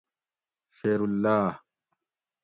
شیراللّہ